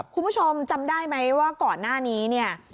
คุณผู้ชมจำได้ไหมว่าก่อนหน้านี้เนี่ย